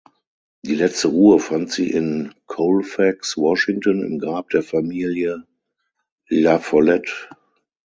Die letzte Ruhe fand sie in Colfax (Washington) im Grab der Familie La Follette.